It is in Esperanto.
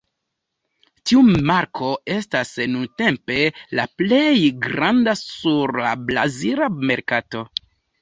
Tiu marko estas nuntempe la plej granda sur la brazila merkato.